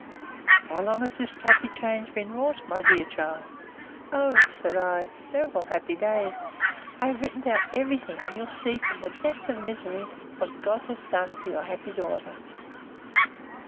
How long has this happy change been wrought, my dear child?—O, said I, several happy days!—I have written down every thing; and you'll see, from the depth of misery, what God has done for your happy daughter!